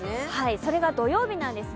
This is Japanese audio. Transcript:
それが土曜日なんですね。